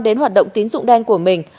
đến hoạt động tín dụng đen của mình